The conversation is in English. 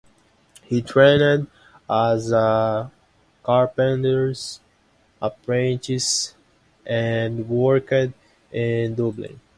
He trained as a carpenter's apprentice and worked in Dublin.